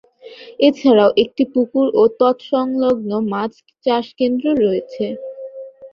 এছাড়াও একটি পুকুর ও তৎসংলগ্ন মাছ চাষ কেন্দ্র রয়েছে।